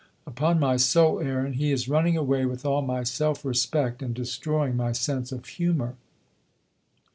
Upon my soul, Aaron, he is running away with all my self respect and destroying my sense of humor."